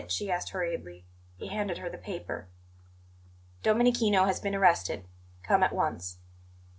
she asked hurriedly. He handed her the paper. "DOMENICHINO HAS BEEN ARRESTED. COME AT ONCE."